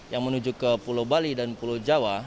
yang menuju ke pulau bali dan pulau jawa